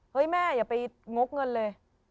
เฮ้ยแม่อย่าไปง๊กเงินเลย